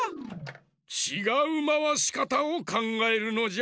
ちがうまわしかたをかんがえるのじゃ。